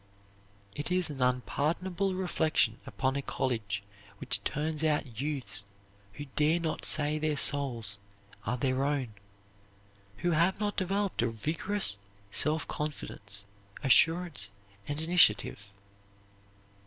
It is an unpardonable reflection upon a college which turns out youths who dare not say their souls are their own, who have not developed a vigorous self confidence, assurance, and initiative.